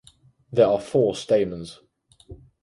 There are four stamens.